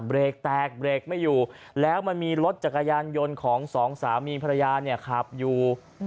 เบรกแตกเบรกไม่อยู่แล้วมันมีรถจักรยานยนต์ของสองสามีภรรยาเนี่ยขับอยู่